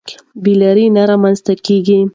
بې لارۍ نه رامنځته کېږي.